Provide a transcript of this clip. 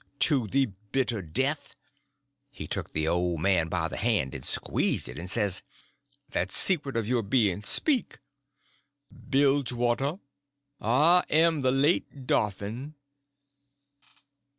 "To the bitter death!" He took the old man by the hand and squeezed it, and says, "That secret of your being: speak!" "Bilgewater, I am the late Dauphin!"